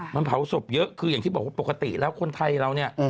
มันเผาศพเยอะคืออย่างที่บอกว่าปกติแล้วคนไทยเราเนี่ย